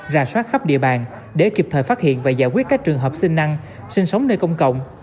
ra soát khắp địa bàn để kịp thời phát hiện và giải quyết các trường hợp sinh năng sinh sống nơi công cộng